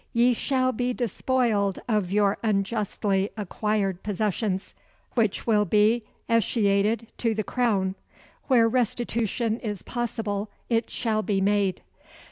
Ye shall be despoiled of your unjustly acquired possessions, which will be escheated to the Crown. Where restitution is possible, it shall be made."